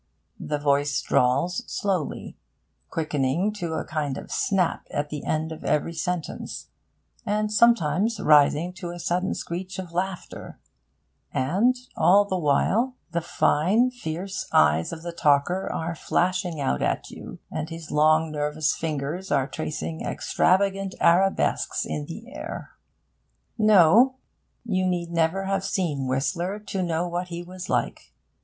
The voice drawls slowly, quickening to a kind of snap at the end of every sentence, and sometimes rising to a sudden screech of laughter; and, all the while, the fine fierce eyes of the talker are flashing out at you, and his long nervous fingers are tracing extravagant arabesques in the air. No! you need never have seen Whistler to know what he was like.